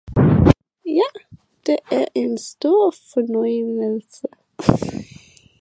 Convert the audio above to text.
Ja det er en stor fornøjelse